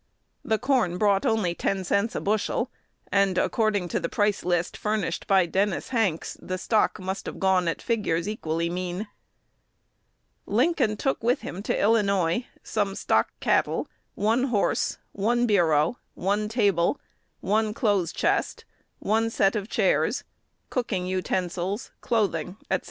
The corn brought only ten cents a bushel, and, according to the pricelist furnished by Dennis Hanks, the stock must have gone at figures equally mean. Lincoln took with him to Illinois "some stock cattle, one horse, one bureau, one table, one clothes chest, one set of chairs, cooking utensils, clothing," &c.